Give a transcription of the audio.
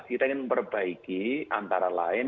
kita ingin memperbaiki antara lain